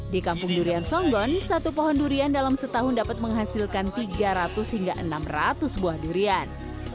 di kampung durian songgon satu pohon durian dalam setahun dapat menghasilkan tiga ratus hingga enam ratus buah durian